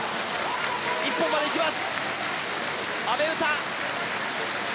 一本までいきます。